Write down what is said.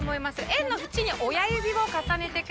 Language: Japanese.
円の縁に親指を重ねてください。